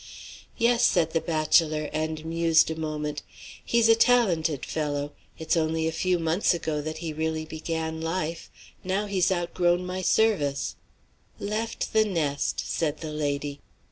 "Yes," said the bachelor, and mused a moment. "He's a talented fellow. It's only a few months ago that he really began life. Now he's outgrown my service." "Left the nest," said the lady.